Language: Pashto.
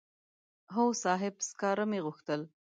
هو صاحب سکاره مې غوښتل.